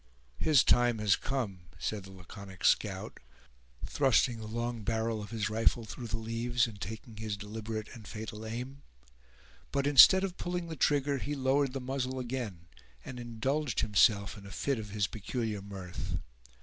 "His time has come," said the laconic scout, thrusting the long barrel of his rifle through the leaves, and taking his deliberate and fatal aim. But, instead of pulling the trigger, he lowered the muzzle again, and indulged himself in a fit of his peculiar mirth.